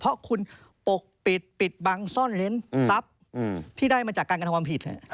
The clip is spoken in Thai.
เพราะคุณปกปิดปิดบังซ่อนเล้นทรัพย์ที่ได้มาจากการกระทำความผิด